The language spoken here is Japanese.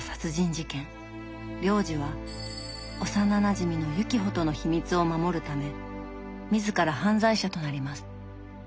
亮司は幼なじみの雪穂との秘密を守るため自ら犯罪者となります。